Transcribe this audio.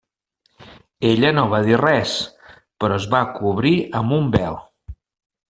Ella no va dir res, però es va cobrir amb un vel.